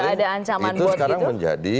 ada ancaman bot gitu itu sekarang menjadi